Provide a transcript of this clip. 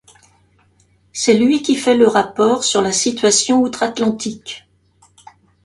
C'est lui qui fait le rapport sur la situation Outre-Atlantique.